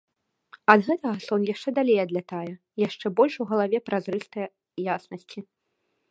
Ад гэтага сон яшчэ далей адлятае, яшчэ больш у галаве празрыстае яснасці.